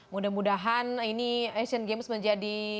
mudah mudahan ini asian games menjadi